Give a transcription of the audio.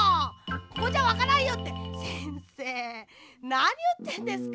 ここじゃわからんよ」ってせんせいなにいってんですか？